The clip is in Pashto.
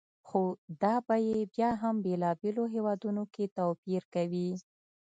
خو دا بیې بیا هم بېلابېلو هېوادونو کې توپیر کوي.